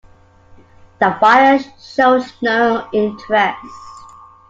The buyers showed no interest.